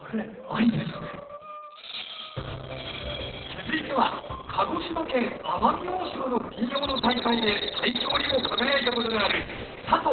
続いては鹿児島県奄美大島の民謡の大会で大賞にも輝いたことがある里歩寿さん。